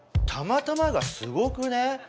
たまたまがすごくねえ！？